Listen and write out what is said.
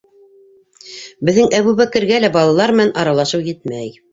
Беҙҙең Әбүбәкергә лә балалар менән аралашыу етмәй!